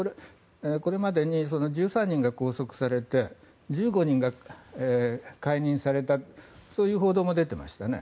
これまでに１３人が拘束されて１５人が解任されたそういう報道も出ていましたね。